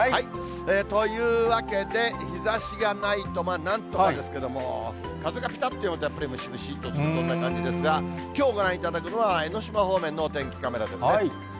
というわけで、日ざしがないと、なんとかですけれども、風がぴたっとやむと、やっぱりムシムシっとする、そんな感じですが、きょうご覧いただくのは、江の島方面のお天気カメラですね。